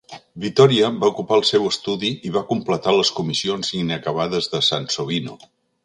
Vittoria va ocupar el seu estudi i va completar les comissions inacabades de Sansovino.